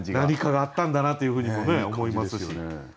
何かがあったんだなというふうにも思いますし。